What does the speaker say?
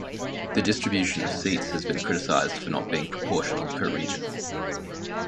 The distribution of seats has been criticized for not being proportional per region.